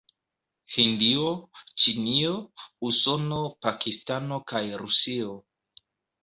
Hindio, Ĉinio, Usono, Pakistano kaj Rusio.